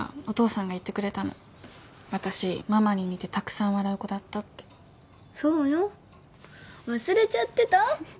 お父さんが言ってくれたの私ママに似てたくさん笑う子だったってそうよ忘れちゃってた？